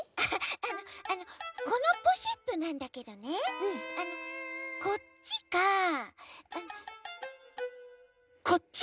あのあのこのポシェットなんだけどねあのこっちかこっち？